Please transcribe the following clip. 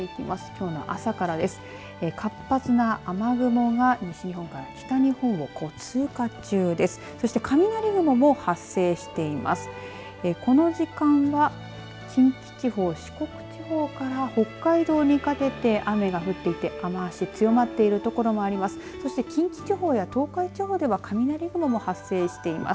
この時間は近畿地方、四国地方から北海道にかけて雨が降っていて雨足、強まっている所もあります。